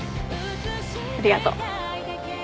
ありがとう。